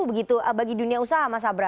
begitu bagi dunia usaha mas abra